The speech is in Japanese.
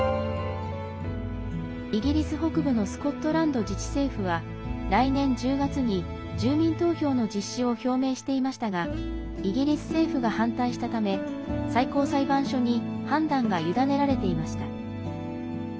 イギリス北部のスコットランド自治政府は来年１０月に住民投票の実施を表明していましたがイギリス政府が反対したため最高裁判所に判断が委ねられていました。